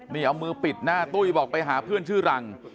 นี่เอามือปิดหน้าตุ้ยบอกไปหาเพื่อนชื่อรัง